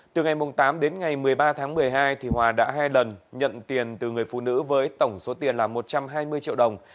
từ ngày tám đến ngày một mươi ba tháng một mươi hai hòa đã hai lần nhận tiền từ người phụ nữ với tổng số tiền là một trăm hai mươi triệu đồng